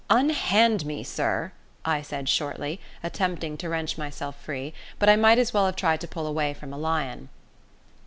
"Unhand me, sir!" I said shortly, attempting to wrench myself free, but I might as well have tried to pull away from a lion.